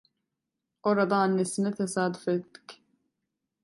Orada annesine tesadüf ettik.